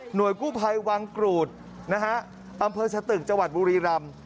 หน่วยกู้ภัยวังกรูดนะฮะอำเภอชะตึกจบุรีรัม